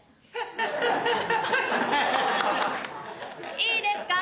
いいですか？